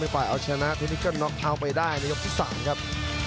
ไม่ปล่อยเอาจะชนะที่นี่ก็น็อคเอาไปได้ในยก๑๓ครับ